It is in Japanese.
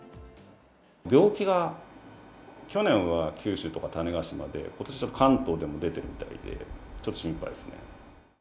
病気が去年は九州とか種子島で、ことしは関東でも出ているみたいで、ちょっと心配ですね。